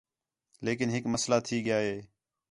لیکن ہِک مسئلہ تھی ڳیا ہِے